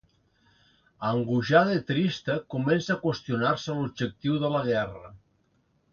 Angoixada i trista, comença a qüestionar-se l'objectiu de la guerra.